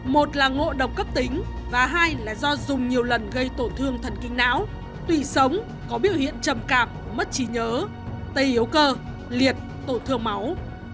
một là ngộ độc cấp tính và hai là do dùng nhiều lần gây tổn thương thần kinh não tùy sống có biểu hiện trầm cảm mất trí nhớ tìm hiểu